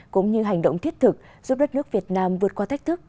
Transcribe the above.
cũng như hành động thiết thực giúp đất nước việt nam vượt qua thách thức